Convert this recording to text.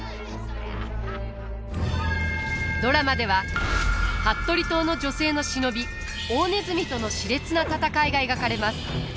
ドラマでは服部党の女性の忍び大鼠とのしれつな戦いが描かれます。